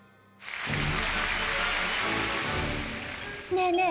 ねえねえ